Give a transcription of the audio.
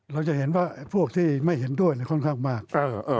เราจะเห็นว่าพวกที่ไม่เห็นด้วยค่อนข้างมาก